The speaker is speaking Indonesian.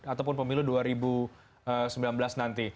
ataupun pemilu dua ribu sembilan belas nanti